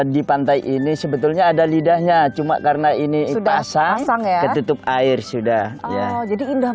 di pantai ini sebetulnya ada lidahnya cuma karena ini pasang ketutup air sudah ya jadi indah